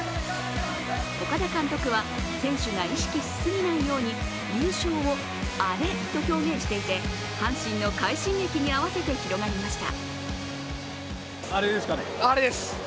岡田監督は選手が意識しすぎないように優勝をアレと表現していて阪神の快進撃に合わせて広がりました。